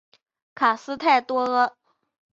卡斯泰德多阿。